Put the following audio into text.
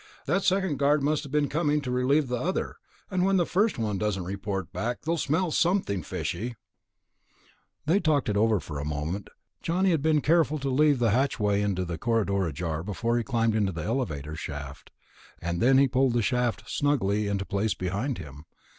"That second guard must have been coming to relieve the other, and when the first one doesn't report back, they'll smell something fishy." They talked it over for a moment. Johnny had been careful to leave the hatchway into the corridor ajar before he climbed into the ventilator shaft, and then he had pulled the shaft snugly into place behind him.